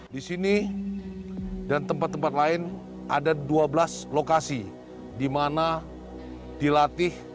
di sini dan tempat tempat lain ada dua belas lokasi di mana dilatih